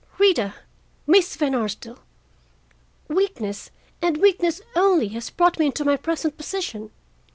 Rita—Miss Van Arsdale—weakness, and weakness only, has brought me into my present position.